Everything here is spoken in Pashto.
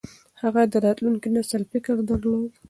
هغه د راتلونکي نسل فکر درلود.